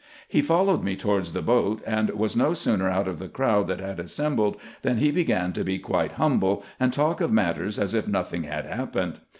He followed me towards the boat, and was no sooner out of the crowd that had assembled, than he began to be quite humble, and talk of matters as if nothing had happened.